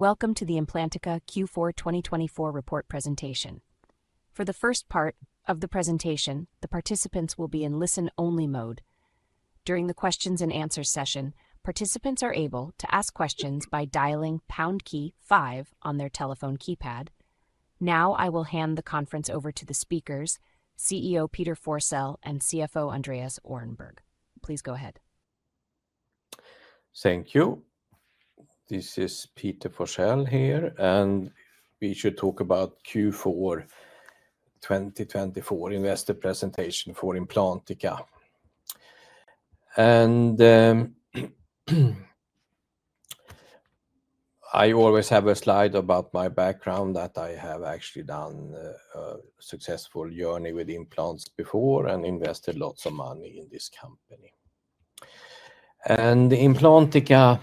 Welcome to the Implantica Q4 2024 report presentation. For the first part of the presentation, the participants will be in listen-only mode. During the questions and answers session, participants are able to ask questions by dialing pound key five on their telephone keypad. Now I will hand the conference over to the speakers, CEO Peter Forsell and CFO Andreas Öhrnberg. Please go ahead. Thank you. This is Peter Forsell here, and we should talk about Q4 2024 investor presentation for Implantica, and I always have a slide about my background that I have actually done a successful journey with implants before and invested lots of money in this company. Implantica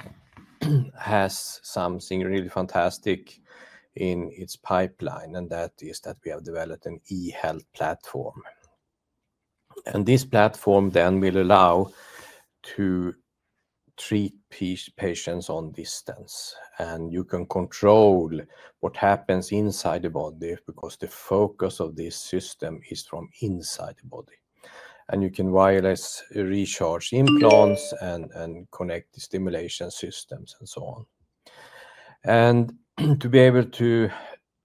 has something really fantastic in its pipeline, and that is that we have developed an e-health platform. This platform then will allow to treat patients on distance, and you can control what happens inside the body because the focus of this system is from inside the body. You can wireless recharge implants and connect the stimulation systems and so on. To be able to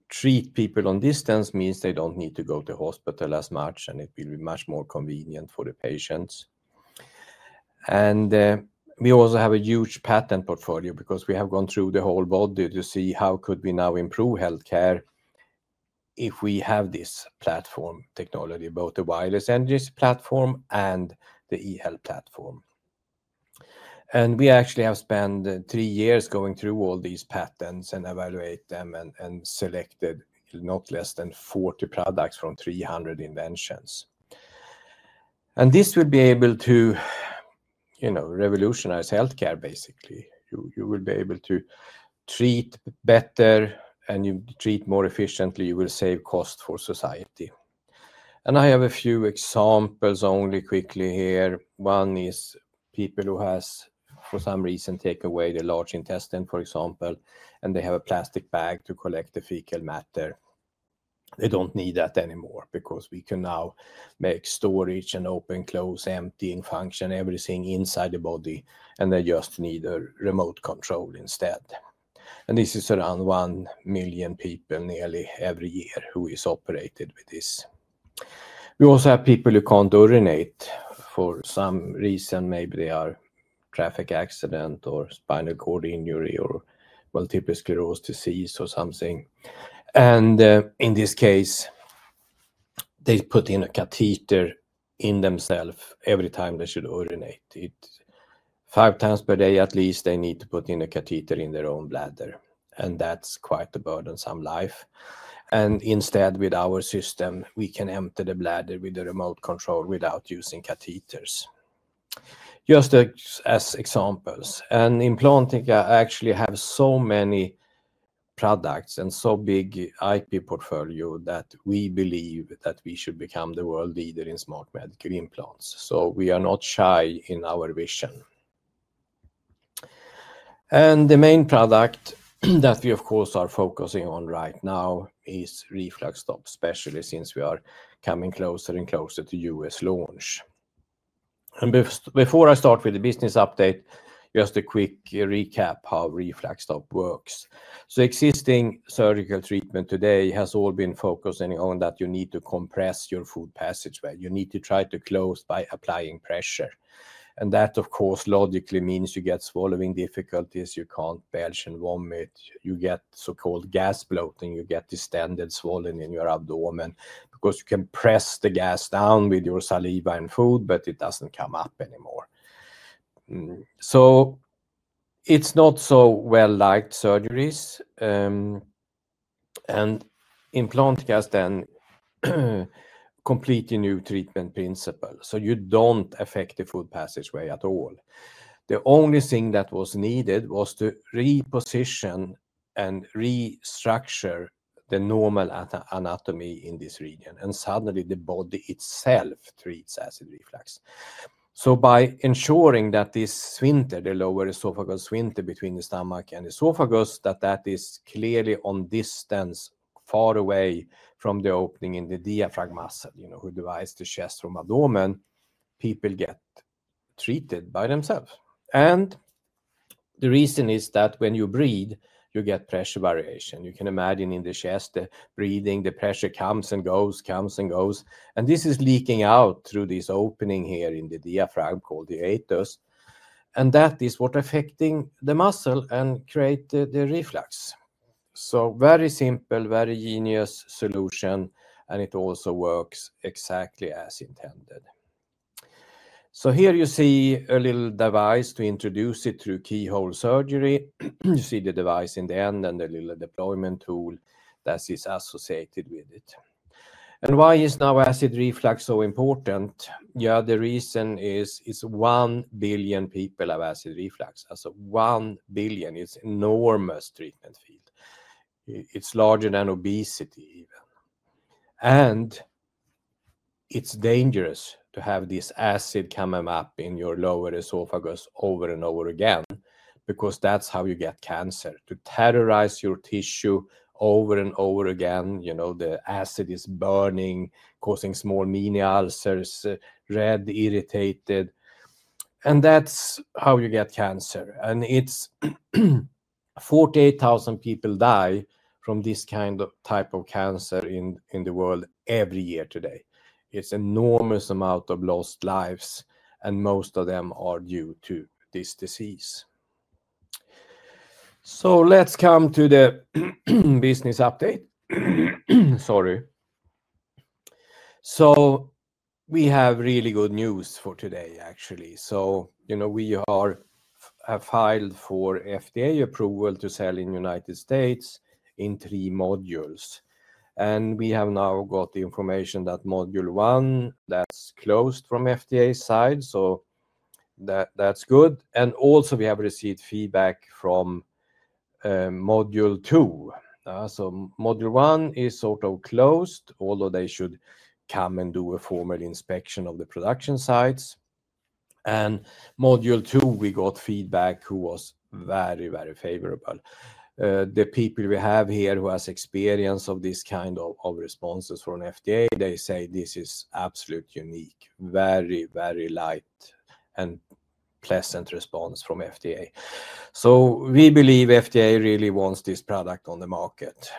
treat people on distance means they don't need to go to the hospital as much, and it will be much more convenient for the patients. We also have a huge patent portfolio because we have gone through the whole body to see how could we now improve healthcare if we have this platform technology, both the wireless end-user platform and the e-health platform. We actually have spent three years going through all these patents and evaluating them and selected not less than 40 products from 300 inventions. This will be able to, you know, revolutionize healthcare basically. You will be able to treat better, and you treat more efficiently. You will save costs for society. I have a few examples only quickly here. One is people who have, for some reason, taken away the large intestine, for example, and they have a plastic bag to collect the fecal matter. They don't need that anymore because we can now make storage and open-close-emptying function, everything inside the body, and they just need a remote control instead, and this is around one million people nearly every year who is operated with this. We also have people who can't urinate for some reason, maybe they are in a traffic accident or spinal cord injury or multiple sclerosis disease or something, and in this case, they put in a catheter in themselves every time they should urinate. Five times per day, at least, they need to put in a catheter in their own bladder, and that's quite a burdensome life, and instead, with our system, we can empty the bladder with a remote control without using catheters. Just as examples, and Implantica actually has so many products and such a big IP portfolio that we believe that we should become the world leader in smart medical implants. So we are not shy in our vision. And the main product that we, of course, are focusing on right now is RefluxStop, especially since we are coming closer and closer to U.S. launch. And before I start with the business update, just a quick recap of how RefluxStop works. So existing surgical treatment today has all been focusing on that you need to compress your food passageway. You need to try to close by applying pressure. That, of course, logically means you get swallowing difficulties, you can't belch and vomit, you get so-called gas bloating, you get distended swelling in your abdomen because you can press the gas down with your saliva and food, but it doesn't come up anymore. So it's not so well-liked surgeries. Implantica has then a completely new treatment principle, so you don't affect the food passageway at all. The only thing that was needed was to reposition and restructure the normal anatomy in this region, and suddenly the body itself treats acid reflux. By ensuring that this sphincter, the lower esophagus sphincter between the stomach and esophagus, that that is clearly on distance, far away from the opening in the diaphragm muscle, you know, who divides the chest from abdomen, people get treated by themselves. The reason is that when you breathe, you get pressure variation. You can imagine in the chest, the breathing, the pressure comes and goes, comes and goes, and this is leaking out through this opening here in the diaphragm called the hiatus, and that is what is affecting the muscle and creating the reflux. So very simple, very genius solution, and it also works exactly as intended. So here you see a little device to introduce it through keyhole surgery. You see the device in the end and the little deployment tool that is associated with it. And why is now acid reflux so important? Yeah, the reason is it's one billion people have acid reflux. That's one billion. It's an enormous treatment field. It's larger than obesity even. And it's dangerous to have this acid coming up in your lower esophagus over and over again because that's how you get cancer. To terrorize your tissue over and over again, you know, the acid is burning, causing small mini ulcers, red, irritated, and that's how you get cancer. It's 48,000 people die from this kind of type of cancer in the world every year today. It's an enormous amount of lost lives, and most of them are due to this disease. Let's come to the business update. Sorry, we have really good news for today, actually. You know, we have filed for FDA approval to sell in the United States in three modules. We have now got the information that module one, that's closed from FDA's side, so that's good. We also have received feedback from module two. Module one is sort of closed, although they should come and do a formal inspection of the production sites. Module two, we got feedback who was very, very favorable. The people we have here who have experience of this kind of responses from FDA, they say this is absolutely unique, very, very light and pleasant response from FDA. We believe FDA really wants this product on the market.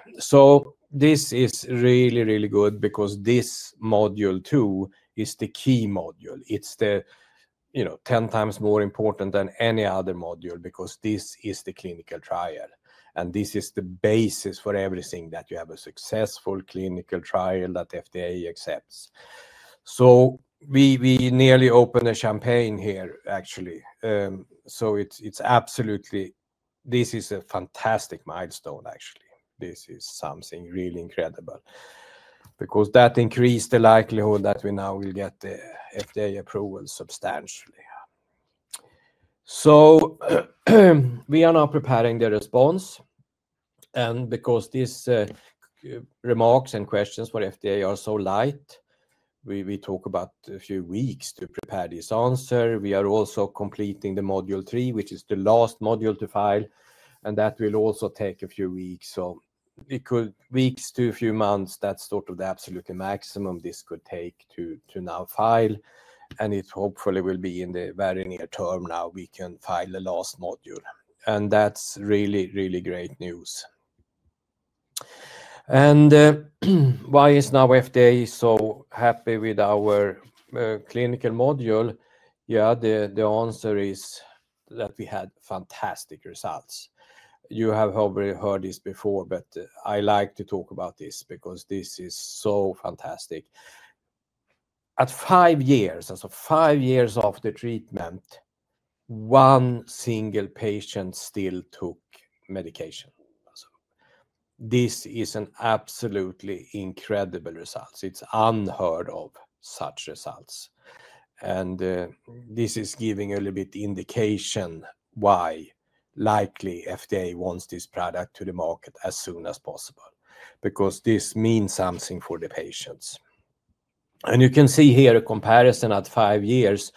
This is really, really good because this module two is the key module. It's the, you know, 10 times more important than any other module because this is the clinical trial. This is the basis for everything that you have a successful clinical trial that FDA accepts. We nearly opened a champagne here, actually. It's absolutely, this is a fantastic milestone, actually. This is something really incredible because that increased the likelihood that we now will get the FDA approval substantially. We are now preparing the response. Because these remarks and questions for FDA are so light, we talk about a few weeks to prepare this answer. We are also completing the module three, which is the last module to file, and that will also take a few weeks. We could, weeks to a few months, that's sort of the absolute maximum this could take to now file. It hopefully will be in the very near term now we can file the last module. That's really, really great news. Why is now FDA so happy with our clinical module? Yeah, the answer is that we had fantastic results. You have probably heard this before, but I like to talk about this because this is so fantastic. At five years, that's five years after treatment, one single patient still took medication. This is an absolutely incredible result. It's unheard of, such results. This is giving a little bit of indication why likely FDA wants this product to the market as soon as possible because this means something for the patients. You can see here a comparison at five years.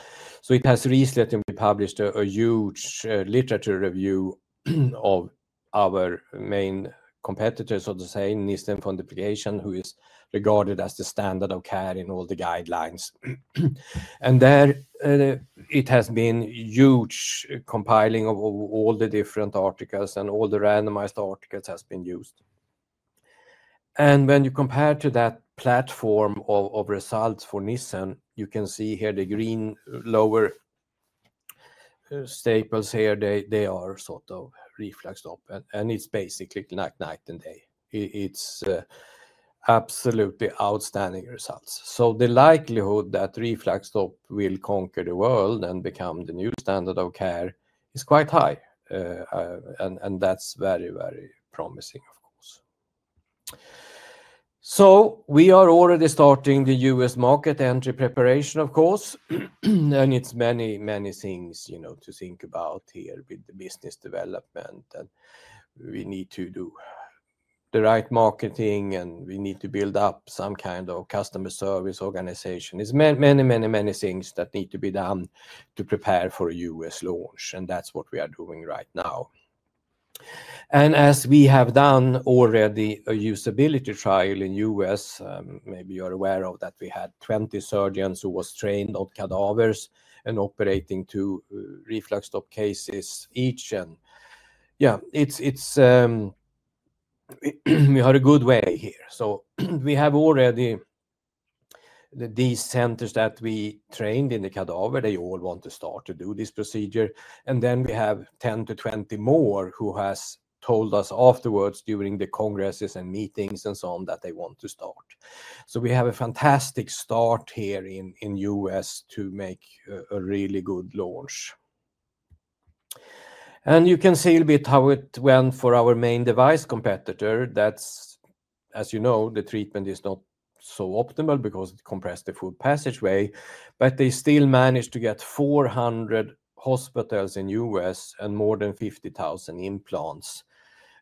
It has recently been published a huge literature review of our main competitor, so to say, Nissen fundoplication, who is regarded as the standard of care in all the guidelines. There it has been huge compiling of all the different articles and all the randomized articles have been used. When you compare to that platform of results for Nissen, you can see here the green lower staples here, they are sort of RefluxStop, and it's basically like night and day. It's absolutely outstanding results. The likelihood that RefluxStop will conquer the world and become the new standard of care is quite high. That's very, very promising, of course. We are already starting the U.S. market entry preparation, of course. It's many, many things, you know, to think about here with the business development. We need to do the right marketing, and we need to build up some kind of customer service organization. It's many, many, many things that need to be done to prepare for a U.S. launch, and that's what we are doing right now. As we have done already a usability trial in the U.S., maybe you're aware of that we had 20 surgeons who were trained on cadavers and operating two RefluxStop cases each. Yeah, it's. We are a good way here. We have already these centers that we trained on cadavers. They all want to start to do this procedure. And then we have 10-20 more who have told us afterwards during the congresses and meetings and so on that they want to start. So we have a fantastic start here in the U.S. to make a really good launch. And you can see a bit how it went for our main device competitor. That's, as you know, the treatment is not so optimal because it compressed the food passageway, but they still managed to get 400 hospitals in the U.S. and more than 50,000 implants.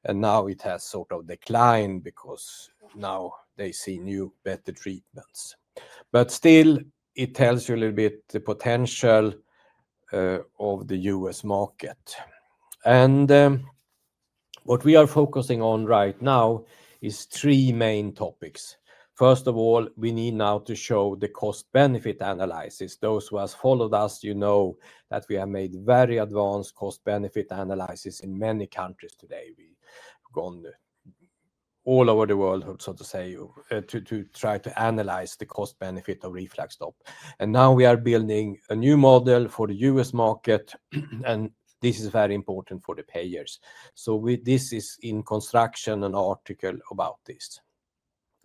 And now it has sort of declined because now they see new, better treatments. But still, it tells you a little bit the potential of the U.S. market. And what we are focusing on right now is three main topics. First of all, we need now to show the cost-benefit analysis. Those who have followed us, you know, that we have made very advanced cost-benefit analysis in many countries today. We've gone all over the world, so to say, to try to analyze the cost-benefit of RefluxStop. And now we are building a new model for the U.S. market, and this is very important for the payers. So this is in construction, an article about this.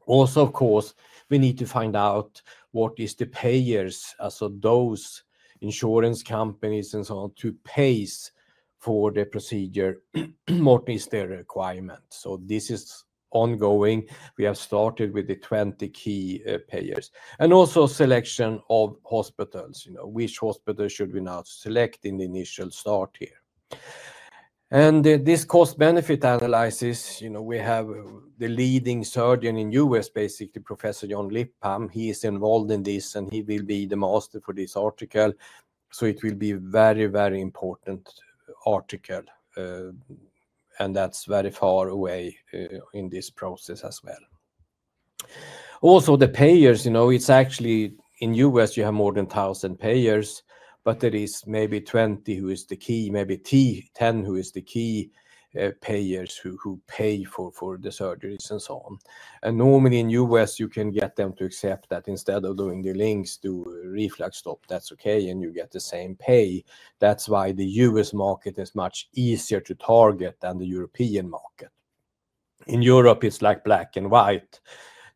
Also, of course, we need to find out what are the payers, so those insurance companies and so on, who pay for the procedure, what is their requirement. So this is ongoing. We have started with the 20 key payers and also selection of hospitals, you know, which hospital should we now select in the initial start here. And this cost-benefit analysis, you know, we have the leading surgeon in the U.S., basically Professor John Lipham. He is involved in this, and he will be the master for this article. So it will be a very, very important article. And that's very far away in this process as well. Also, the payers, you know, it's actually in the U.S., you have more than 1,000 payers, but there are maybe 20 who are the key, maybe 10 who are the key payers who pay for the surgeries and so on. And normally in the U.S., you can get them to accept that instead of doing the LINX to RefluxStop, that's okay, and you get the same pay. That's why the U.S. market is much easier to target than the European market. In Europe, it's like black and white.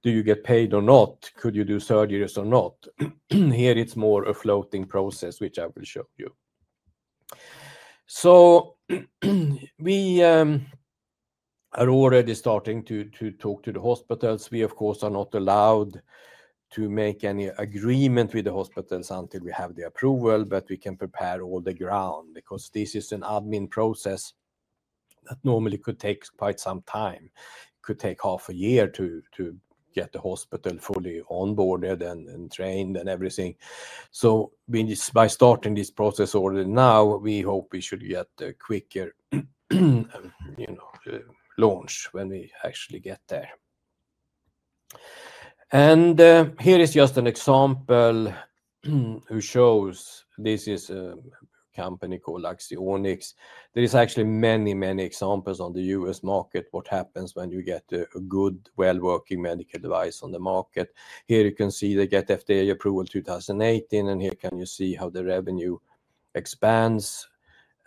Do you get paid or not? Could you do surgeries or not? Here it's more a floating process, which I will show you. So we are already starting to talk to the hospitals. We, of course, are not allowed to make any agreement with the hospitals until we have the approval, but we can prepare all the ground because this is an admin process that normally could take quite some time. It could take half a year to get the hospital fully onboarded and trained and everything. So by starting this process already now, we hope we should get a quicker, you know, launch when we actually get there. And here is just an example who shows. This is a company called Axonics. There are actually many, many examples on the U.S. market. What happens when you get a good, well-working medical device on the market? Here you can see they get FDA approval 2018, and here you can see how the revenue expands.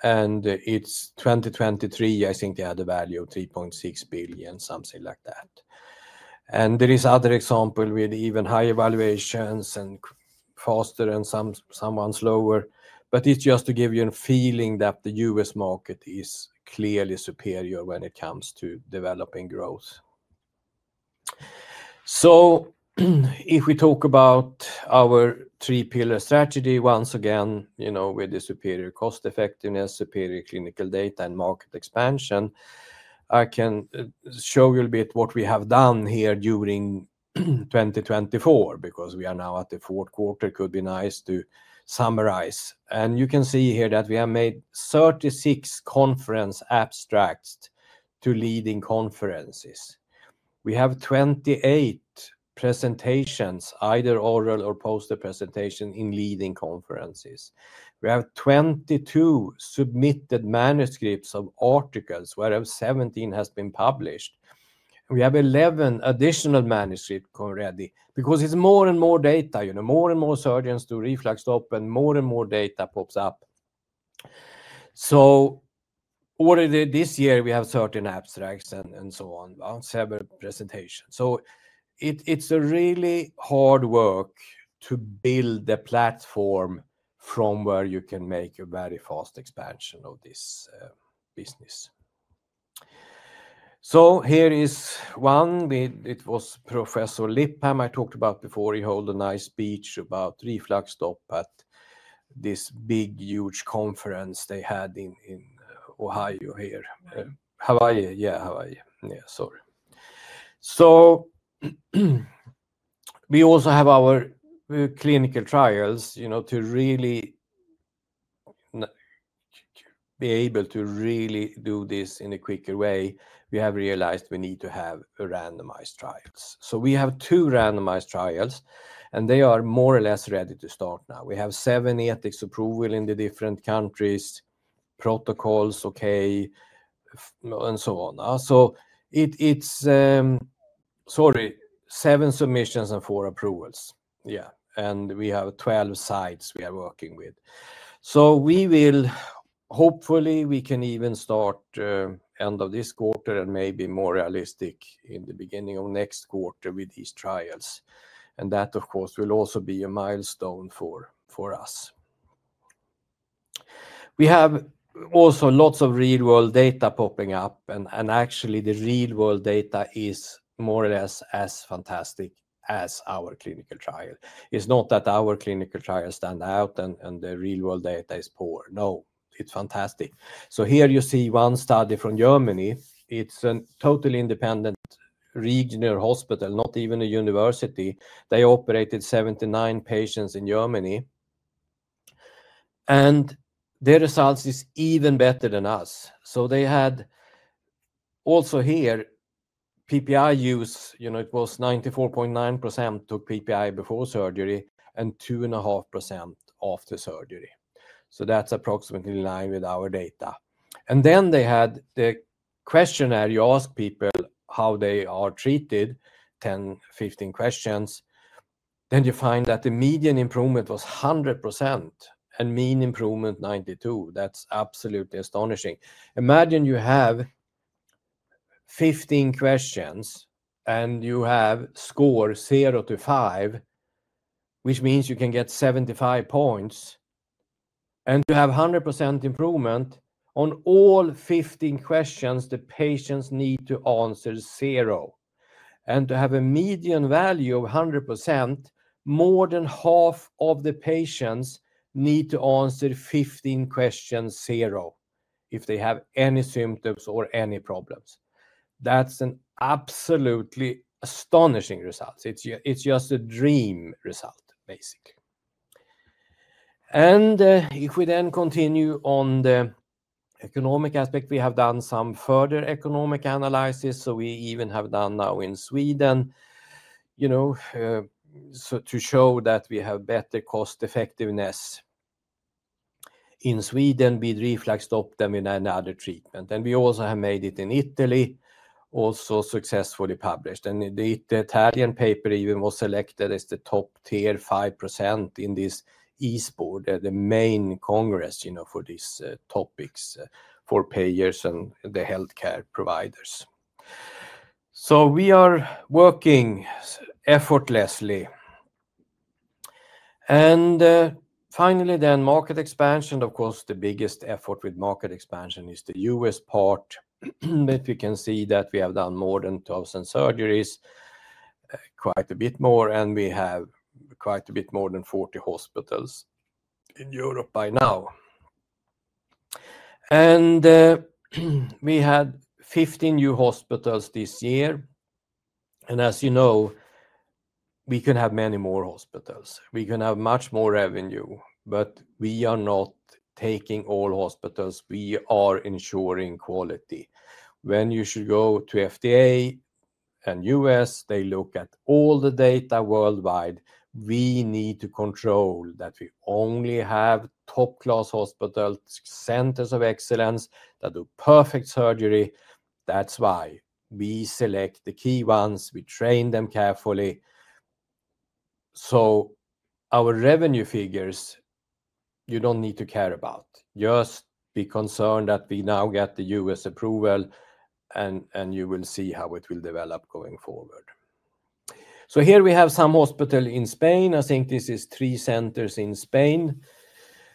It's 2023, I think they had a value of $3.6 billion, something like that. There are other examples with even higher valuations and faster and sometimes lower. It's just to give you a feeling that the U.S. market is clearly superior when it comes to developing growth. If we talk about our three-pillar strategy, once again, you know, with the superior cost effectiveness, superior clinical data, and market expansion, I can show you a bit what we have done here during 2024 because we are now at the fourth quarter. It could be nice to summarize. You can see here that we have made 36 conference abstracts to leading conferences. We have 28 presentations, either oral or poster presentations in leading conferences. We have 22 submitted manuscripts of articles where 17 have been published. We have 11 additional manuscripts already because it's more and more data, you know, more and more surgeons to RefluxStop and more and more data pops up. So already this year we have 13 abstracts and so on, several presentations. So it's a really hard work to build the platform from where you can make a very fast expansion of this business. So here is one. It was Professor Lipham I talked about before. He held a nice speech about RefluxStop at this big, huge conference they had in Ohio here. Hawaii, yeah, Hawaii. Yeah, sorry. So we also have our clinical trials, you know, to really be able to really do this in a quicker way. We have realized we need to have randomized trials. So we have two randomized trials, and they are more or less ready to start now. We have seven ethics approvals in the different countries, protocols. Sorry, it's seven submissions and four approvals. Yeah. We have 12 sites we are working with. We will hopefully even start end of this quarter and maybe more realistic in the beginning of next quarter with these trials. That, of course, will also be a milestone for us. We also have lots of real-world data popping up, and actually the real-world data is more or less as fantastic as our clinical trial. It's not that our clinical trials stand out and the real-world data is poor. No, it's fantastic. Here you see one study from Germany. It's a totally independent regional hospital, not even a university. They operated 79 patients in Germany. Their results are even better than us. So they had also here PPI use, you know, it was 94.9% took PPI before surgery and 2.5% after surgery. So that's approximately in line with our data. And then they had the questionnaire. You ask people how they are treated, 10, 15 questions. Then you find that the median improvement was 100% and mean improvement 92%. That's absolutely astonishing. Imagine you have 15 questions and you have score zero to five, which means you can get 75 points. And you have 100% improvement. On all 15 questions, the patients need to answer zero. And to have a median value of 100%, more than half of the patients need to answer 15 questions zero if they have any symptoms or any problems. That's an absolutely astonishing result. It's just a dream result, basically. And if we then continue on the economic aspect, we have done some further economic analysis. So we even have done now in Sweden, you know, so to show that we have better cost effectiveness in Sweden with RefluxStop than with any other treatment. And we also have made it in Italy, also successfully published. And the Italian paper even was selected as the top tier 5% in this ISPOR, the main congress, you know, for these topics for payers and the healthcare providers. So we are working effortlessly. And finally then market expansion, of course, the biggest effort with market expansion is the U.S. part. But you can see that we have done more than 1,000 surgeries, quite a bit more, and we have quite a bit more than 40 hospitals in Europe by now. And we had 15 new hospitals this year. And as you know, we can have many more hospitals. We can have much more revenue, but we are not taking all hospitals. We are ensuring quality. When you should go to FDA and U.S., they look at all the data worldwide. We need to control that we only have top-class hospitals, centers of excellence that do perfect surgery. That's why we select the key ones. We train them carefully. So our revenue figures, you don't need to care about. Just be concerned that we now get the U.S. approval and you will see how it will develop going forward. So here we have some hospital in Spain. I think this is three centers in Spain.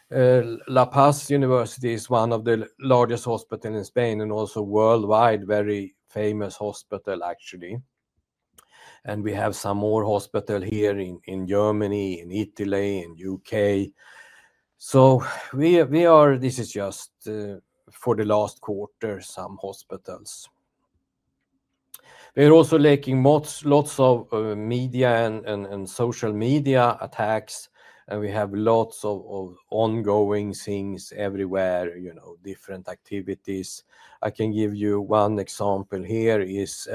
La Paz University is one of the largest hospitals in Spain and also worldwide, a very famous hospital, actually. And we have some more hospitals here in Germany, in Italy, in the U.K. So we are. This is just for the last quarter, some hospitals. We are also launching lots of media and social media activities, and we have lots of ongoing things everywhere, you know, different activities. I can give you one example. Here is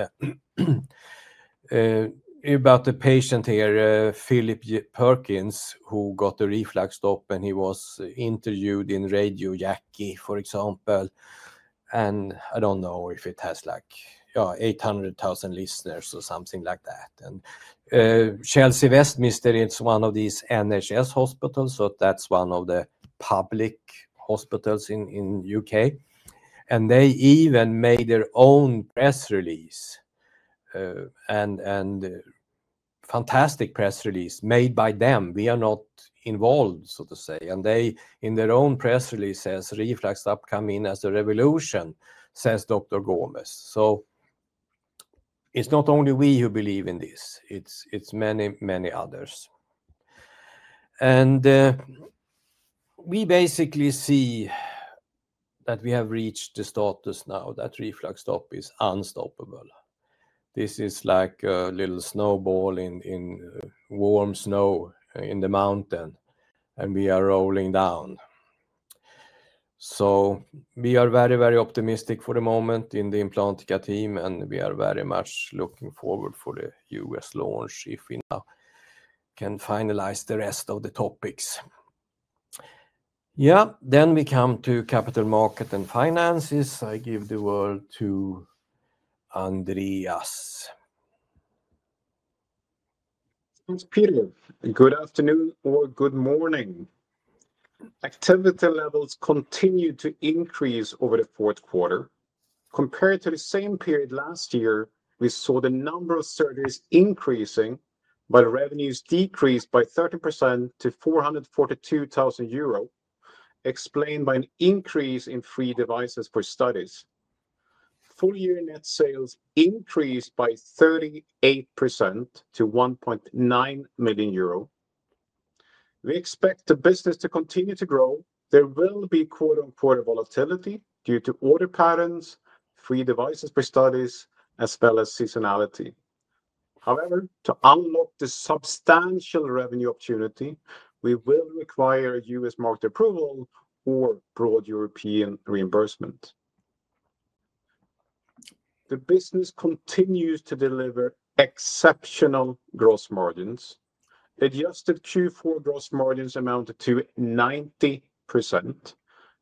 about the patient here, Philip Perkins, who got the RefluxStop, and he was interviewed in Radio Jackie, for example. And I don't know if it has like, yeah, 800,000 listeners or something like that. And Chelsea Westminster is one of these NHS hospitals, so that's one of the public hospitals in the UK. And they even made their own press release, and fantastic press release made by them. We are not involved, so to say. And they, in their own press release, says RefluxStop came in as a revolution, says Dr. Gomez. So it's not only we who believe in this. It's many, many others. We basically see that we have reached the status now that RefluxStop is unstoppable. This is like a little snowball in warm snow in the mountain, and we are rolling down. We are very, very optimistic for the moment in the Implantica team, and we are very much looking forward to the U.S. launch if we now can finalize the rest of the topics. Yeah, then we come to capital market and finances. I give the word to Andreas. Thanks, Peter. Good afternoon or good morning. Activity levels continue to increase over the fourth quarter. Compared to the same period last year, we saw the number of surgeries increasing, but revenues decreased by 30% to 442,000 euro, explained by an increase in free devices for studies. Full year net sales increased by 38% to 1.9 million euro. We expect the business to continue to grow. There will be quote-unquote volatility due to order patterns, free devices for studies, as well as seasonality. However, to unlock the substantial revenue opportunity, we will require a U.S. market approval or broad European reimbursement. The business continues to deliver exceptional gross margins. Adjusted Q4 gross margins amounted to 90%.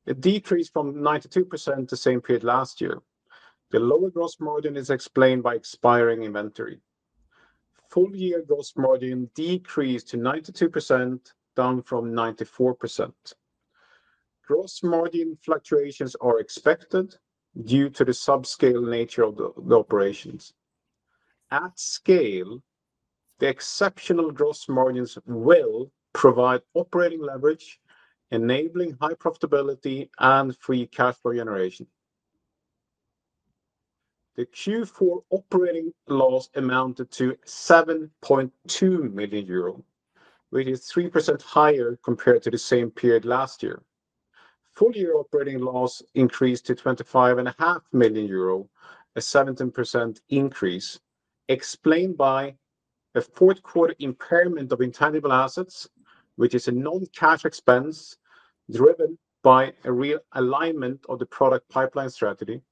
It decreased from 92% the same period last year. The lower gross margin is explained by expiring inventory. Full year gross margin decreased to 92%, down from 94%. Gross margin fluctuations are expected due to the subscale nature of the operations. At scale, the exceptional gross margins will provide operating leverage, enabling high profitability and free cash flow generation. The Q4 operating loss amounted to 7.2 million euro, which is 3% higher compared to the same period last year. Full year operating loss increased to 25.5 million euro, a 17% increase, explained by a fourth quarter impairment of intangible assets, which is a non-cash expense driven by a real alignment of the product pipeline strategy,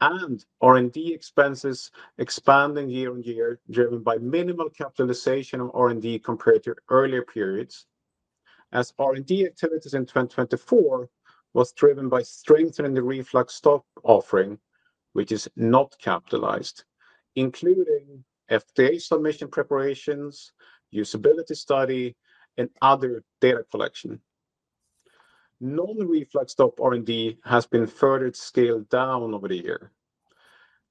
and R&D expenses expanding year-on-year, driven by minimal capitalization of R&D compared to earlier periods, as R&D activities in 2024 were driven by strengthening the RefluxStop offering, which is not capitalized, including FDA submission preparations, usability study, and other data collection. Non-RefluxStop R&D has been further scaled down over the year.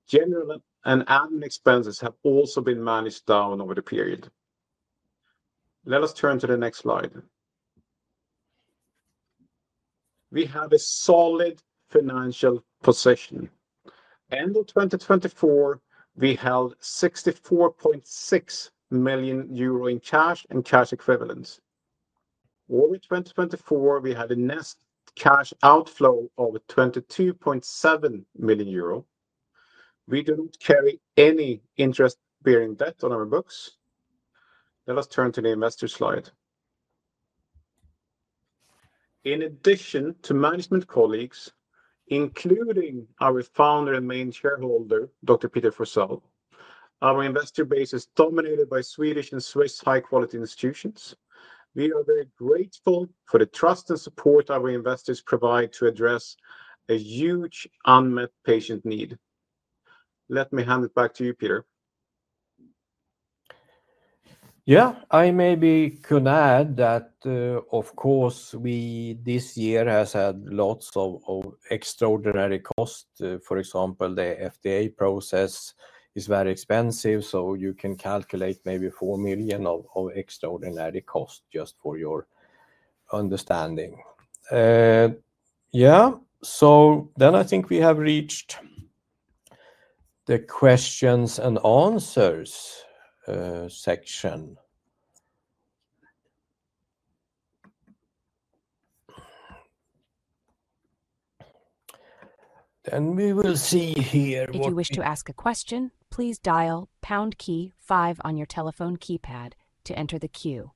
General and admin expenses have also been managed down over the period. Let us turn to the next slide. We have a solid financial position. End of 2024, we held 64.6 million euro in cash and cash equivalents. Over 2024, we had a net cash outflow of 22.7 million euro. We do not carry any interest-bearing debt on our books. Let us turn to the investor slide. In addition to management colleagues, including our founder and main shareholder, Dr. Peter Forsell, our investor base is dominated by Swedish and Swiss high-quality institutions. We are very grateful for the trust and support our investors provide to address a huge unmet patient need. Let me hand it back to you, Peter. Yeah, I maybe could add that, of course, this year has had lots of extraordinary costs. For example, the FDA process is very expensive, so you can calculate maybe 4 million of extraordinary costs just for your understanding. Yeah, so then I think we have reached the questions and answers section. And we will see here what you... If you wish to ask a question, please dial pound key five on your telephone keypad to enter the queue.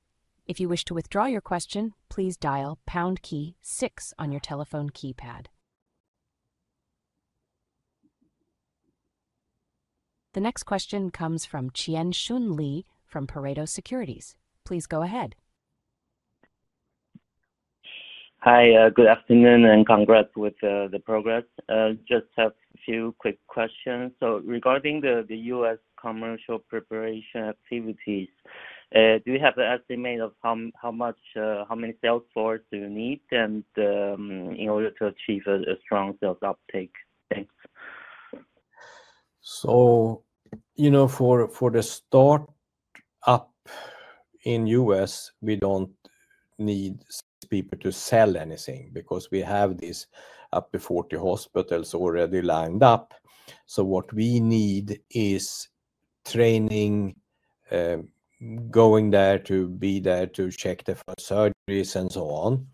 If you wish to withdraw your question, please dial pound key six on your telephone keypad. The next question comes from Chien-Hsun Lee from Pareto Securities. Please go ahead. Hi, good afternoon and congrats with the progress. Just have a few quick questions. So regarding the U.S. commercial preparation activities, do we have an estimate of how many sales force do you need in order to achieve a strong sales uptake? Thanks. So, you know, for the start-up in the U.S., we don't need people to sell anything because we have this up to 40 hospitals already lined up. So what we need is training, going there to be there to check the first surgeries and so on.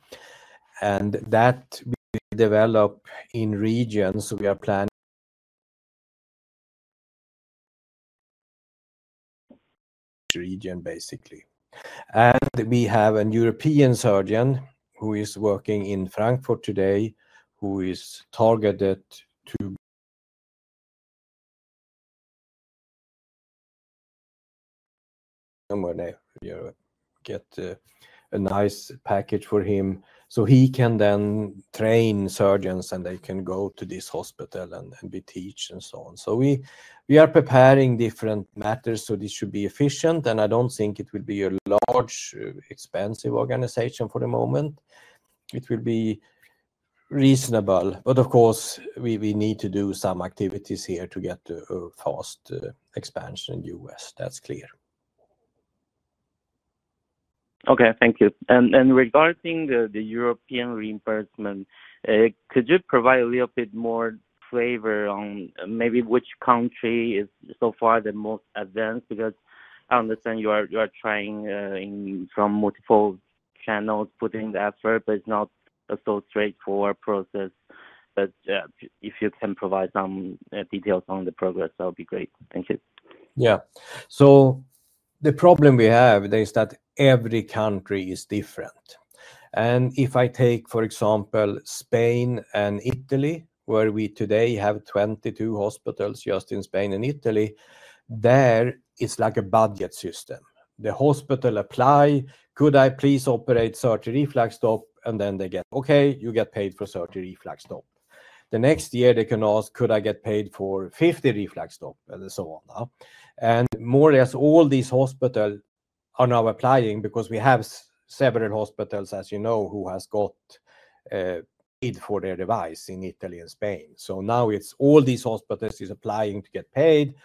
And that we develop in regions. So we are planning region, basically. We have a European surgeon who is working in Frankfurt today, who is targeted to get a nice package for him. So he can then train surgeons and they can go to this hospital and be taught and so on. So we are preparing different matters, so this should be efficient. And I don't think it will be a large, expensive organization for the moment. It will be reasonable. But of course, we need to do some activities here to get a fast expansion in the U.S. That's clear. Okay, thank you. And regarding the European reimbursement, could you provide a little bit more flavor on maybe which country is so far the most advanced? Because I understand you are trying from multiple channels, putting the effort, but it's not so straightforward a process. But if you can provide some details on the progress, that would be great. Thank you. Yeah. So the problem we have is that every country is different. And if I take, for example, Spain and Italy, where we today have 22 hospitals just in Spain and Italy, there is like a budget system. The hospital applies, could I please operate 30 RefluxStop, and then they get, okay, you get paid for 30 RefluxStop. The next year, they can ask, could I get paid for 50 RefluxStop, and so on. And more or less, all these hospitals are now applying because we have several hospitals, as you know, who have got paid for their device in Italy and Spain. So now it's all these hospitals are applying to get paid,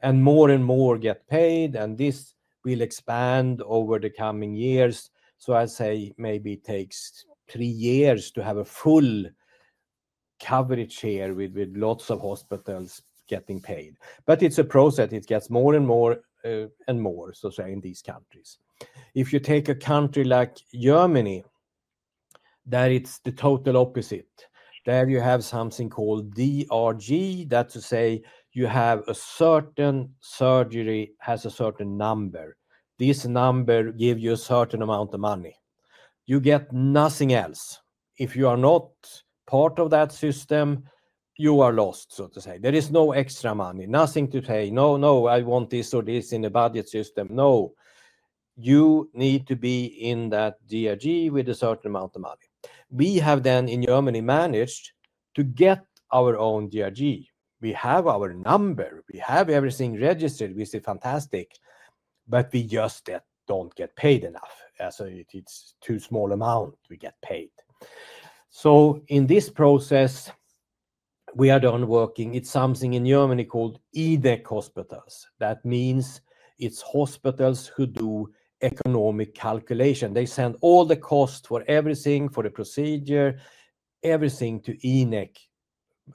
and more and more get paid, and this will expand over the coming years. So I'd say maybe it takes three years to have a full coverage here with lots of hospitals getting paid. But it's a process. It gets more and more and more, so to say, in these countries. If you take a country like Germany, there it's the total opposite. There you have something called DRG. That's to say you have a certain surgery has a certain number. This number gives you a certain amount of money. You get nothing else. If you are not part of that system, you are lost, so to say. There is no extra money. Nothing to say, no, no, I want this or this in the budget system. No. You need to be in that DRG with a certain amount of money. We have then in Germany managed to get our own DRG. We have our number. We have everything registered. We say fantastic, but we just don't get paid enough. So it's too small amount we get paid. In this process, we are done working. It's something in Germany called InEK hospitals. That means it's hospitals who do economic calculation. They send all the costs for everything, for the procedure, everything to InEK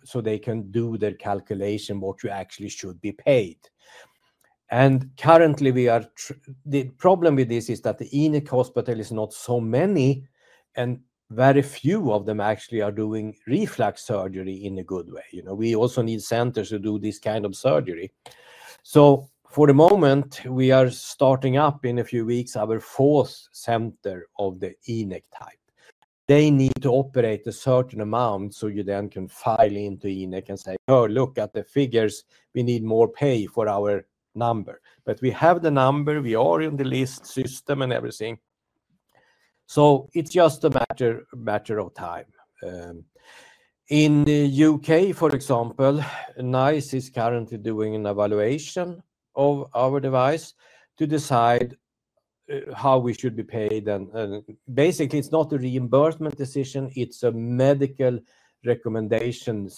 so they can do their calculation, what you actually should be paid. Currently, the problem with this is that the InEK hospital is not so many, and very few of them actually are doing reflux surgery in a good way. You know, we also need centers to do this kind of surgery. For the moment, we are starting up in a few weeks our fourth center of the InEK type. They need to operate a certain amount so you then can file into InEK and say, oh, look at the figures, we need more pay for our number. But we have the number, we are in the list system and everything. It's just a matter of time. In the U.K., for example, NICE is currently doing an evaluation of our device to decide how we should be paid. Basically, it's not a reimbursement decision, it's a medical recommendation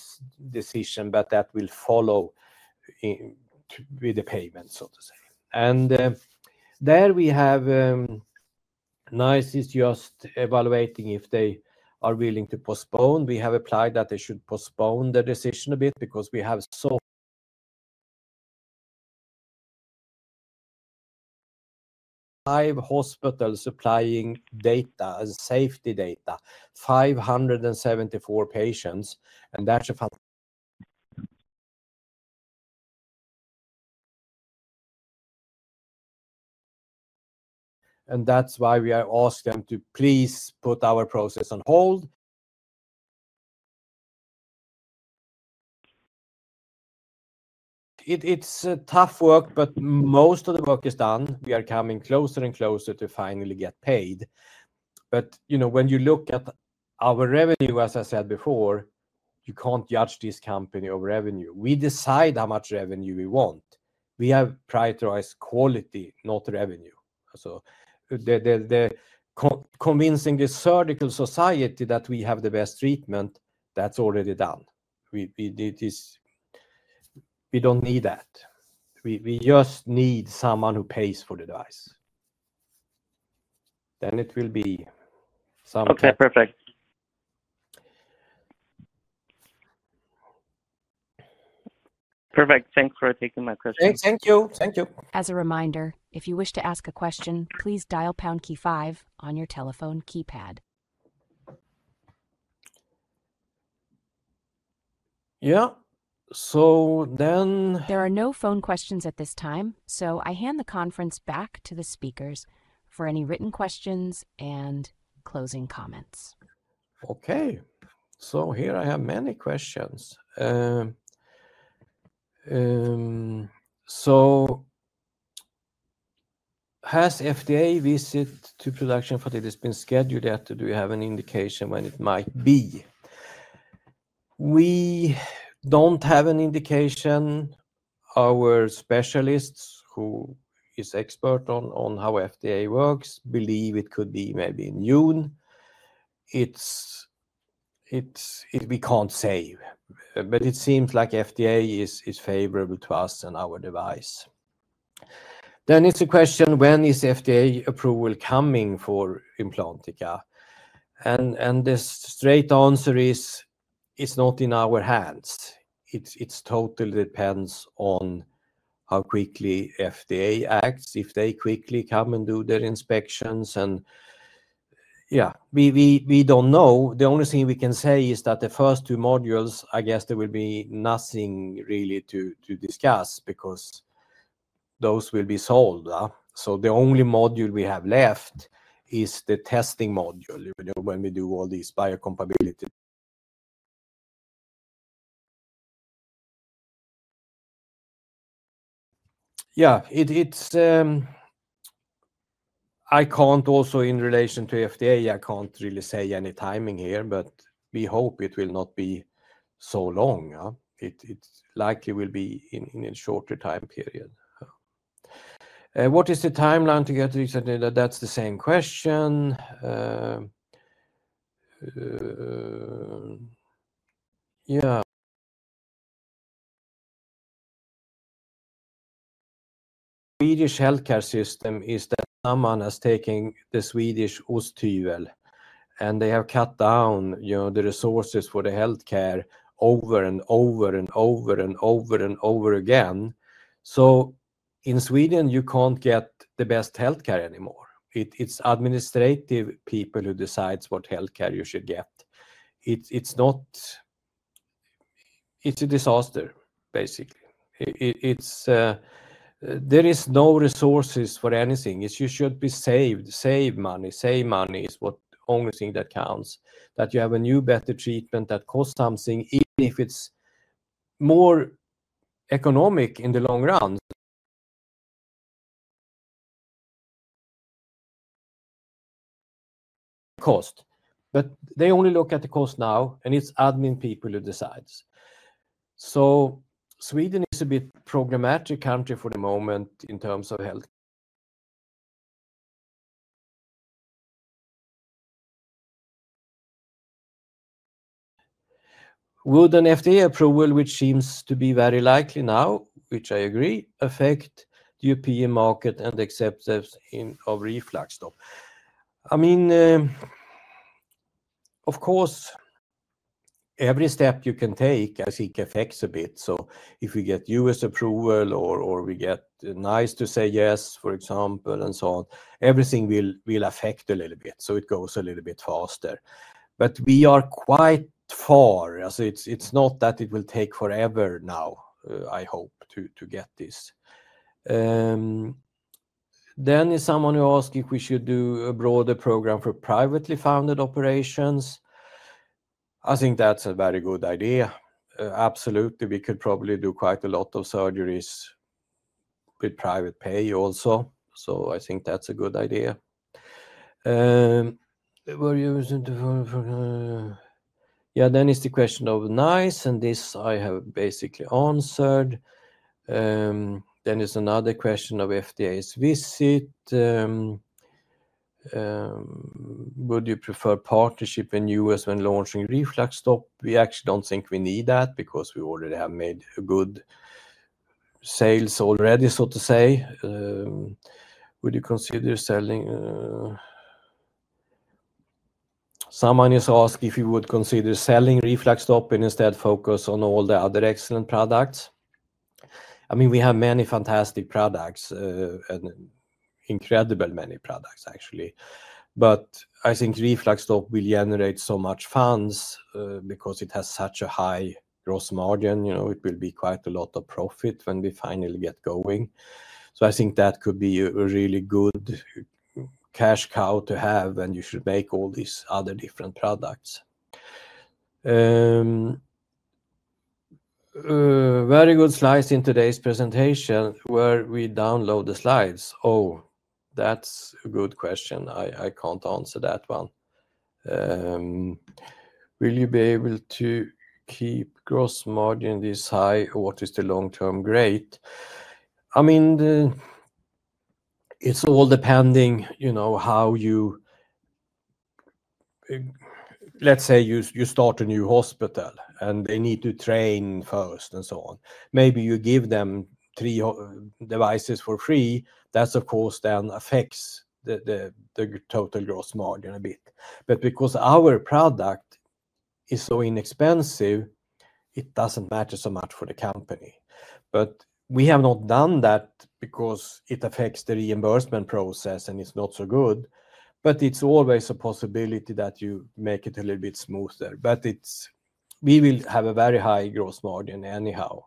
decision that will follow with the payment, so to say. There we have, NICE is just evaluating if they are willing to postpone. We have applied that they should postpone the decision a bit because we have five hospitals supplying data and safety data, 574 patients, and that's a fantastic thing. That's why we are asking them to please put our process on hold. It's tough work, but most of the work is done. We are coming closer and closer to finally get paid. You know, when you look at our revenue, as I said before, you can't judge this company of revenue. We decide how much revenue we want. We have prioritized quality, not revenue. So convincing the surgical society that we have the best treatment, that's already done. We don't need that. We just need someone who pays for the device. Then it will be something. Okay, perfect. Perfect. Thanks for taking my question. Thank you. Thank you. As a reminder, if you wish to ask a question, please dial pound key five on your telephone keypad. Yeah. So then. There are no phone questions at this time, so I hand the conference back to the speakers for any written questions and closing comments. Okay. So here I have many questions. So has FDA visit to production for that has been scheduled yet? Do you have an indication when it might be? We don't have an indication. Our specialists, who is expert on how FDA works, believe it could be maybe in June. We can't say, but it seems like FDA is favorable to us and our device. Then it's a question, when is FDA approval coming for Implantica? And the straight answer is it's not in our hands. It totally depends on how quickly FDA acts, if they quickly come and do their inspections. And yeah, we don't know. The only thing we can say is that the first two modules, I guess there will be nothing really to discuss because those will be sold. So the only module we have left is the testing module when we do all these biocompatibility. Yeah, I can't also in relation to FDA, I can't really say any timing here, but we hope it will not be so long. It likely will be in a shorter time period. What is the timeline to get reset? That's the same question. Yeah. Swedish healthcare system is that someone has taken the Swedish Osthyvel, and they have cut down the resources for the healthcare over and over and over and over and over again. So in Sweden, you can't get the best healthcare anymore. It's administrative people who decide what healthcare you should get. It's a disaster, basically. There are no resources for anything. You should be saved, save money. Save money is the only thing that counts, that you have a new, better treatment that costs something, even if it's more economic in the long run. Cost. But they only look at the cost now, and it's admin people who decide, so Sweden is a bit problematic country for the moment in terms of healthcare. Would an FDA approval, which seems to be very likely now, which I agree, affect the European market and acceptance of RefluxStop? I mean, of course, every step you can take, I think, affects a bit. So if we get US approval or we get NICE to say yes, for example, and so on, everything will affect a little bit. So it goes a little bit faster. But we are quite far. It's not that it will take forever now, I hope, to get this. Then is someone who asked if we should do a broader program for privately funded operations. I think that's a very good idea. Absolutely. We could probably do quite a lot of surgeries with private pay also. So I think that's a good idea. Yeah, then it's the question of NICE, and this I have basically answered. Then there's another question of FDA's visit. Would you prefer partnership in the U.S. when launching RefluxStop? We actually don't think we need that because we already have made good sales already, so to say. Would you consider selling? Someone has asked if you would consider selling RefluxStop and instead focus on all the other excellent products. I mean, we have many fantastic products, incredible many products, actually. But I think RefluxStop will generate so much funds because it has such a high gross margin. It will be quite a lot of profit when we finally get going. So I think that could be a really good cash cow to have, and you should make all these other different products. Very good slides in today's presentation. Where we download the slides? Oh, that's a good question. I can't answer that one. Will you be able to keep gross margin this high? What is the long-term grade? I mean, it's all depending how you, let's say, you start a new hospital and they need to train first and so on. Maybe you give them three devices for free. That's, of course, then affects the total gross margin a bit. But because our product is so inexpensive, it doesn't matter so much for the company. But we have not done that because it affects the reimbursement process and it's not so good. But it's always a possibility that you make it a little bit smoother. But we will have a very high gross margin anyhow.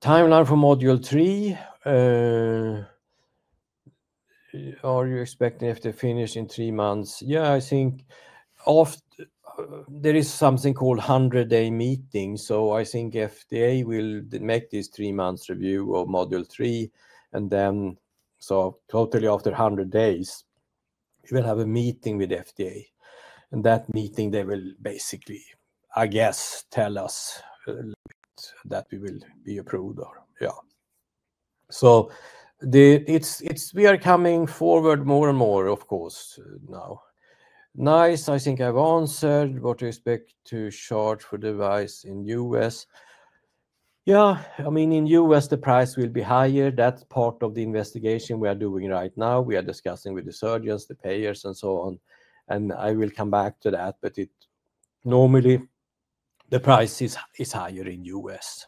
Timeline for module three. Are you expecting FDA finish in three months? Yeah, I think there is something called 100-day meeting. So I think FDA will make this three-month review of module three. And then, so totally after 100 days, we will have a meeting with FDA. And that meeting, they will basically, I guess, tell us a little bit that we will be approved or, yeah. So we are coming forward more and more, of course, now. NICE, I think I've answered. What do you expect to charge for the device in the U.S.? Yeah, I mean, in the U.S., the price will be higher. That's part of the investigation we are doing right now. We are discussing with the surgeons, the payers, and so on. And I will come back to that, but normally the price is higher in the U.S.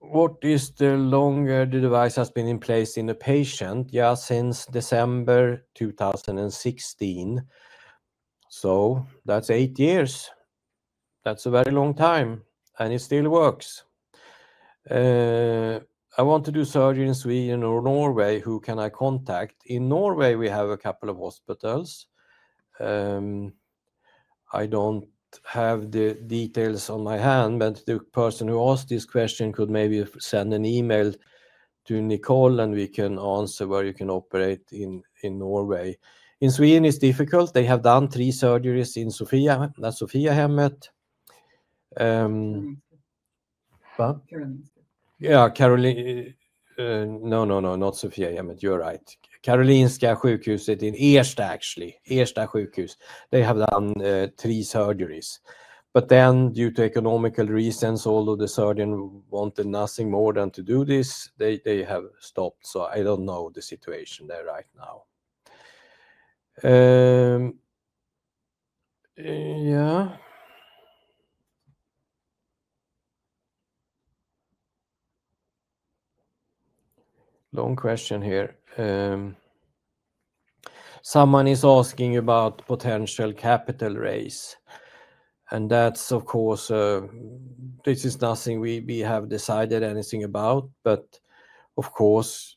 What is the longest the device has been in place in the patient? Yeah, since December 2016. So that's eight years. That's a very long time. And it still works. I want to do surgery in Sweden or Norway. Who can I contact? In Norway, we have a couple of hospitals. I don't have the details on my hand, but the person who asked this question could maybe send an email to Nicole, and we can answer where you can operate in Norway. In Sweden, it's difficult. They have done three surgeries in Sophiahemmet, that's Sophiahemmet. Yeah, Karoli... No, no, no, not Sophiahemmet. You're right. Karolinska Sjukhus in Ersta, actually. Ersta Sjukhus. They have done three surgeries. But then, due to economical reasons, although the surgeon wanted nothing more than to do this, they have stopped. So I don't know the situation there right now. Yeah. Long question here. Someone is asking about potential capital raise. And that's, of course, this is nothing we have decided anything about. But of course,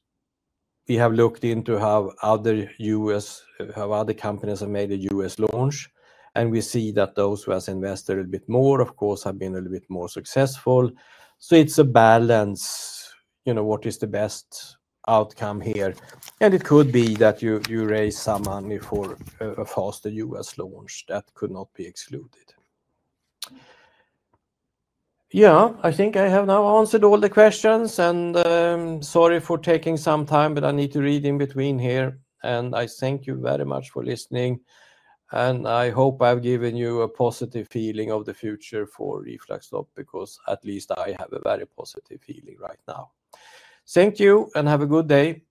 we have looked into how other U.S., how other companies have made a U.S. launch. And we see that those who have invested a little bit more, of course, have been a little bit more successful. So it's a balance, you know, what is the best outcome here. And it could be that you raise some money for a faster U.S. launch. That could not be excluded. Yeah, I think I have now answered all the questions. And sorry for taking some time, but I need to read in between here. And I thank you very much for listening. And I hope I've given you a positive feeling of the future for RefluxStop because at least I have a very positive feeling right now. Thank you and have a good day.